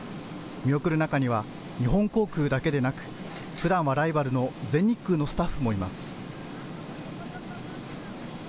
見送る中には日本航空だけでなくふだんはライバルの全日空のスタッフもいます。